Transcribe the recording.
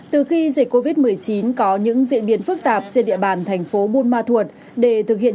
từ khi dịch covid một mươi chín có những diễn biến phức tạp trên địa bàn thành phố buôn ma thuột để thực hiện